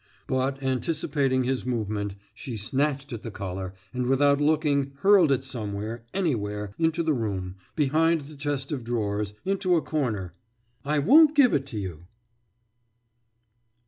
But, anticipating his movement, she snatched at the collar, and without looking hurled it somewhere, anywhere, into the room, behind the chest of drawers, into a corner. »I won't give it to you!